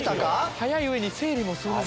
早い上に整理もすごい。